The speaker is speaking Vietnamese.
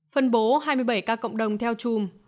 phân bố hai mươi bảy ca cộng đồng theo chùm